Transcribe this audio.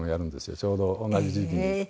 ちょうど同じ時期に。